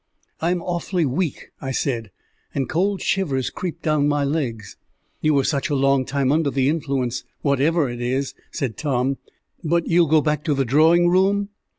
"I am awfully weak," I said, "and cold shivers creep down my legs." "You were such a long time under the influence, whatever it is," said Tom. "But you'll go back to the drawing room?"